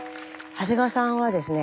長谷川さんはですね